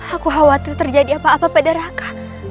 aku khawatir terjadi apa apa pada raka